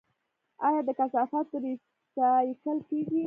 آیا د کثافاتو ریسایکل کیږي؟